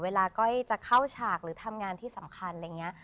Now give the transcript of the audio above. ก้อยจะเข้าฉากหรือทำงานที่สำคัญอะไรอย่างนี้